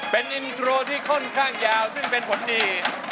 เป็นอินโทรที่ค่อนข้างยาวซึ่งเป็นผลดี